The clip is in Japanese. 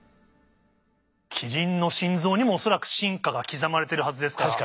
キリンの心臓にも恐らく進化が刻まれてるはずですから。